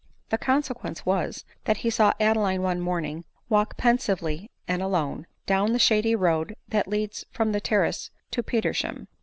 The consequence was, that he saw Adeline one morning walk H 136 ADELINE MOWBRAY. pensively and alone, down the shady road that leads from the terrace to Petersham.